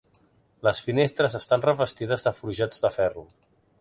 Les finestres estan revestides de forjats de ferro.